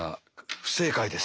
不正解です。